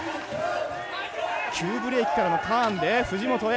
急ブレーキからのターンで藤本へ。